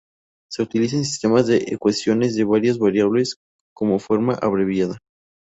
Se utiliza en sistemas de ecuaciones de varias variables como forma abreviada.